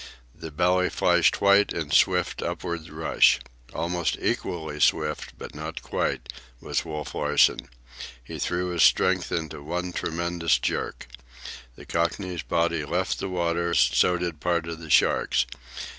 The belly flashed white in swift upward rush. Almost equally swift, but not quite, was Wolf Larsen. He threw his strength into one tremendous jerk. The Cockney's body left the water; so did part of the shark's.